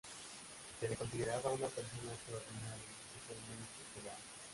Se le consideraba una persona extraordinaria y fue muy popular.